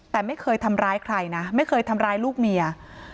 แต่ไม่เคยทำร้ายใครนะไม่เคยทำร้ายลูกเมีย